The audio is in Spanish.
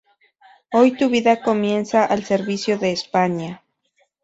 Hoy tu vida comienza al servicio de España.